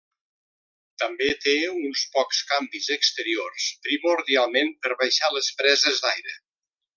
També té uns pocs canvis exteriors, primordialment per baixar les preses d'aire.